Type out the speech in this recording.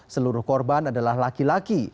seluruh korban adalah laki laki